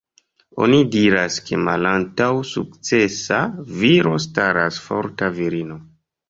Oni diras, ke malantaŭ sukcesa viro staras forta virino.